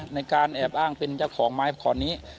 ในการแอบอ้างเป็นเจ้าของไม้ขอนนี้